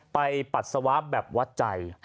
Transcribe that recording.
ปัสสาวะแบบวัดใจ